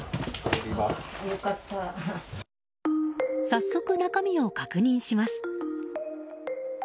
早速、中身を確認します。